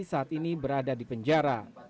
saat ini berada di penjara